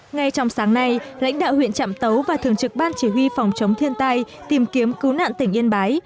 ngay trong sáng nay lãnh đạo huyện trạm tấu và thường trực ban chỉ huy phòng chống thiên tai tìm kiếm cứu nạn tỉnh yên bái